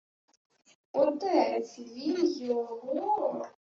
— Отець... він... Його...